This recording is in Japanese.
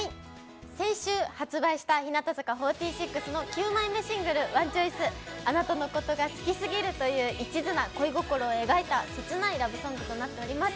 先週発売した日向坂４６の９枚目シングル「Ｏｎｅｃｈｏｉｃｅ」、あなたのことが好きすぎるという一途な恋心を描いた切ないラブソングとなっております。